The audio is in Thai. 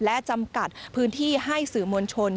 และจำกัดพื้นที่ให้สื่อมวลชน